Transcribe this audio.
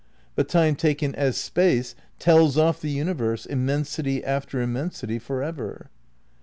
But Time taken as Space tells off the univferse, immensity after immens ity, for ever.